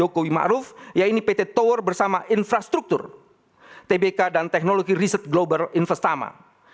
seorang yang merupakan bendaharat tkn jokowi ma'ruf yaitu pt tower bersama infrastruktur tbk dan teknologi riset global investama